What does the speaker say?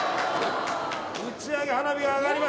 打ち上げ花火が上がりました。